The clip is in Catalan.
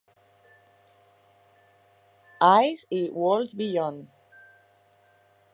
Eyes" i "Worlds Beyond".